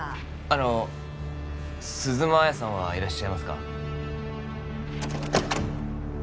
あの鈴間亜矢さんはいらっしゃいますか？